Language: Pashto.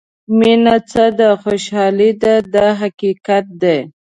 مینه څه ده خوشالۍ ده دا حقیقت دی.